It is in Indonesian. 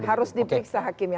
harus diperiksa hakim ya